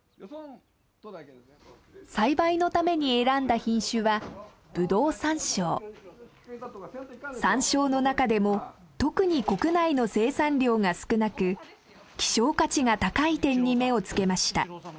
栽培のために選んだ品種はサンショウの中でも特に国内の生産量が少なく希少価値が高い点に目を付けました。